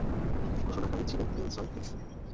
ঘোষণাকারী ছিলেন Nelson case.